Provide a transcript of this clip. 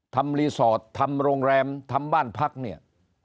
ทำรีสอร์ททำโรงแรมทำบ้านพักเนี่ย